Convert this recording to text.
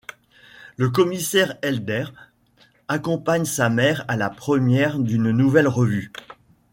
Le commissaire Helder accompagne sa mère à la première d'une nouvelle revue.